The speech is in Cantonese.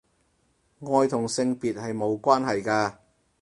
愛同性別係無關係㗎